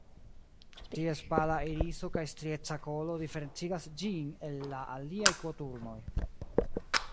Ties pala iriso kaj strieca kolo diferencigas ĝin el la aliaj koturnoj.